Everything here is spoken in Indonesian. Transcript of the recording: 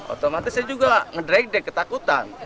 otomatis saya juga ngedraik deh ketakutan